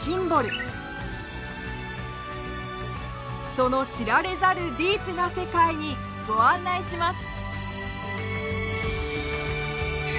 その知られざるディープな世界にご案内します。